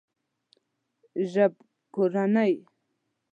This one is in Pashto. ژبکورنۍ